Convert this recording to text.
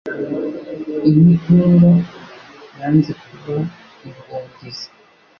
Intigunga yanze kuba ingungizi